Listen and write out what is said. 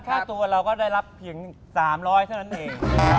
ค่าตัวเราก็ได้รับเพียง๓๐๐เท่านั้นเอง